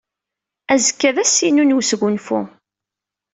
Azekka d ass-inu n wesgunfu.